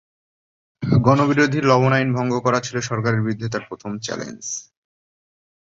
গণবিরোধী ‘লবণ আইন’ ভঙ্গ করা ছিল সরকারের বিরুদ্ধে তাঁর প্রথম চ্যালেঞ্জ।